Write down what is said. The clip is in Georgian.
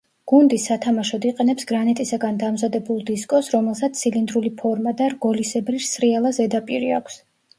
გუნდი სათამაშოდ იყენებს გრანიტისგან დამზადებულ დისკოს, რომელსაც ცილინდრული ფორმა და რგოლისებრი სრიალა ზედაპირი აქვს.